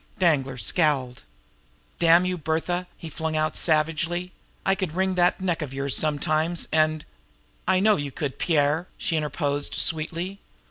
Danglar scowled. "Damn you, Bertha!" he flung out savagely. "I could wring that neck of yours sometimes, and " "I know you could, Pierre," she interposed sweetly.